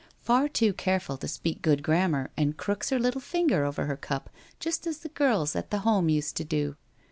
Far too careful to speak good grammar and crooks her little finger over her cup just as the girls at the Home used to do